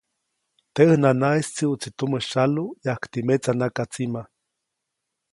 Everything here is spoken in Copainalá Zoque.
Teʼ ʼäj nanaʼis tsiʼutsi tumä syalu yajkti metsa nakatsima.